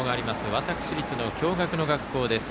私立の共学の学校です。